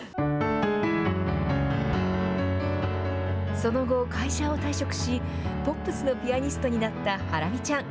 その後、会社を退職し、ポップスのピアニストになったハラミちゃん。